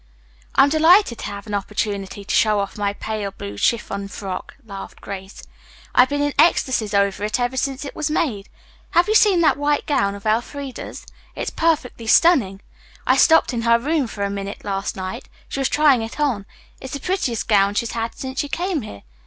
"I'm delighted to have an opportunity to show off my pale blue chiffon frock," laughed Grace. "I've been in ecstasies over it ever since it was made. Have you seen that white gown of Elfreda's? It's perfectly stunning. I stopped in her room for a minute last night. She was trying it on. It's the prettiest gown she's had since she came here.